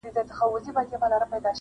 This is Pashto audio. o بې ما دي شل نه کړه٫